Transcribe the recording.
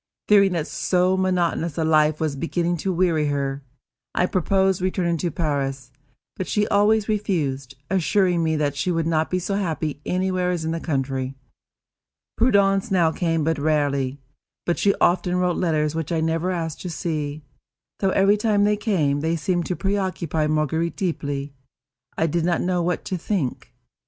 Fearing that so monotonous a life was beginning to weary her, I proposed returning to Paris; but she always refused, assuring me that she could not be so happy anywhere as in the country. Prudence now came but rarely; but she often wrote letters which I never asked to see, though, every time they came, they seemed to preoccupy Marguerite deeply. I did not know what to think.